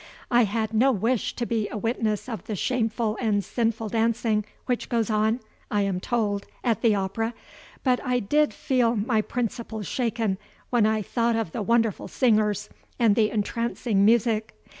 I had no wish to be a witness of the shameful and sinful dancing which goes on (I am told) at the opera; but I did feel my principles shaken when I thought of the wonderful singers and the entrancing music.